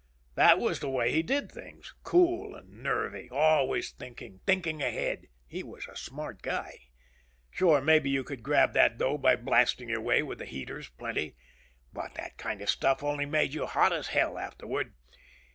That was the way he did things. Cool and nervy. Always thinking, thinking ahead. He was a smart guy. Sure maybe you could grab that dough by blasting your way with the heaters plenty. But that kind of stuff only made you hot as hell, afterward.